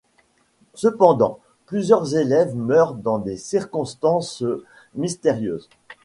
Cependant, plusieurs élèves meurent dans des circonstances mystérieuses.